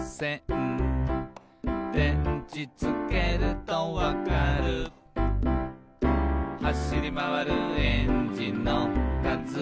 「でんちつけるとわかる」「はしりまわるえんじのかずは」